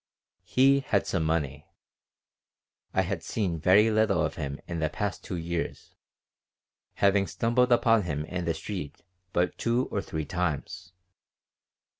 He had some money. I had seen very little of him in the past two years, having stumbled upon him in the street but two or three times.